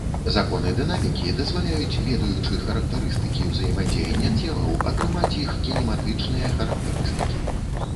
Законы дынамікі дазваляюць, ведаючы характарыстыкі ўзаемадзеяння целаў, атрымаць іх кінематычныя характарыстыкі.